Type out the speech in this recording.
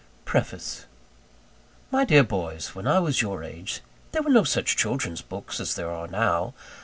PREFACE My dear boys, When I was your age, there were no such children's books as there are now.